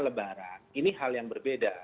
lebaran ini hal yang berbeda